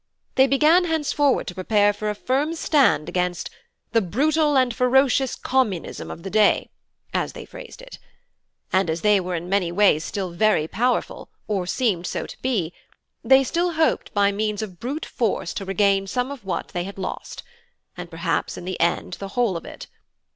They began henceforward to prepare for a firm stand against the 'brutal and ferocious communism of the day,' as they phrased it. And as they were in many ways still very powerful, or seemed so to be; they still hoped by means of brute force to regain some of what they had lost, and perhaps in the end the whole of it.